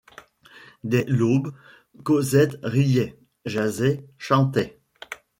Dès l’aube, Cosette riait, jasait, chantait.